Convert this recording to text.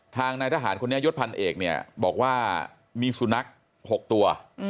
ทางนายทหารคนนี้ยศพันเอกเนี่ยบอกว่ามีสุนัข๖ตัว